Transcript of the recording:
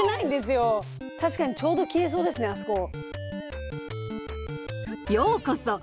確かにちょうど消えそうですねあそこ。